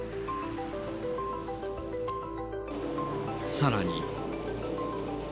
さらに。